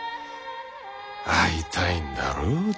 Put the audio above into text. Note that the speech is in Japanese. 会いたいんだろう